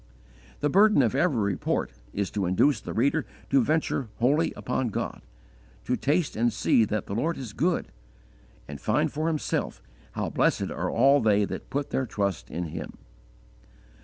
The burden of every report is to induce the reader to venture wholly upon God, to taste and see that the Lord is good, and find for himself how blessed are all they that put their trust in Him.